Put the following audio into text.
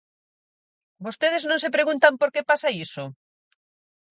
¿Vostedes non se preguntan por que pasa iso?